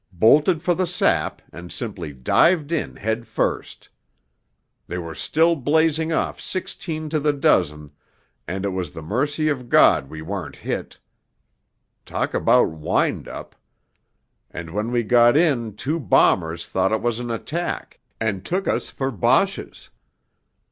bolted for the sap, and simply dived in head first ... they were still blazing off sixteen to the dozen, and it was the mercy of God we weren't hit ... talk about wind up.... And when we got in two bombers thought it was an attack, and took us for Boches....